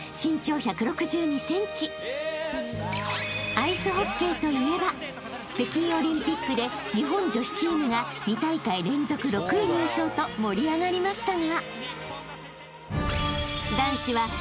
［アイスホッケーといえば北京オリンピックで日本女子チームが２大会連続６位入賞と盛り上がりましたが］